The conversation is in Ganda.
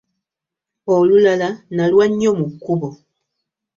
Olulala nalwa nnyo mu kkubo.